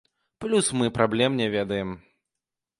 Плюс мы праблем не ведаем.